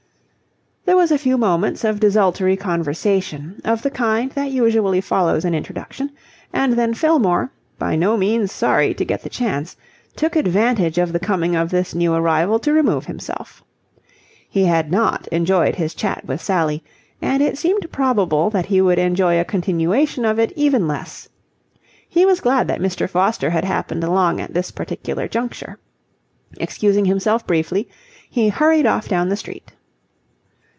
There was a few moments of desultory conversation, of the kind that usually follows an introduction, and then Fillmore, by no means sorry to get the chance, took advantage of the coming of this new arrival to remove himself. He had not enjoyed his chat with Sally, and it seemed probable that he would enjoy a continuation of it even less. He was glad that Mr. Foster had happened along at this particular juncture. Excusing himself briefly, he hurried off down the street.